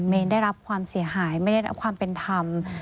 เนรได้รับความเสียหายไม่ได้รับความเป็นธรรม